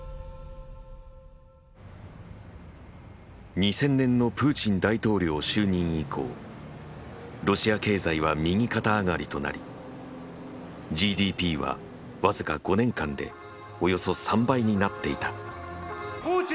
２０００年のプーチン大統領就任以降ロシア経済は右肩上がりとなりＧＤＰは僅か５年間でおよそ３倍になっていた。